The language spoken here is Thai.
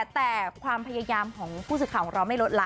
แต่ความพยายามของผู้สื่อข่าวของเราไม่ลดละ